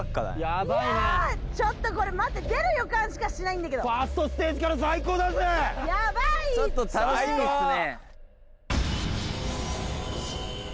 やばいねちょっとこれ待って出る予感しかしないんだけどファーストステージから最高だぜやばいってちょっと楽しみっすね